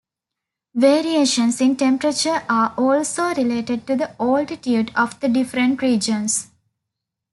Variations in temperature are also related to the altitude of the different regions.